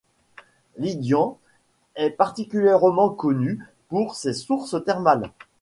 Lindian est particulièrement connue pour ses sources thermales.